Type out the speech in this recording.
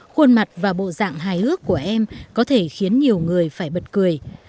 khuôn mặt và bộ dạng hài ước của em có thể khiến nhiều người phải bật cười